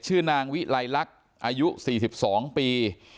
ชื่อนางวิไลลักษณ์อายุ๔๒ปี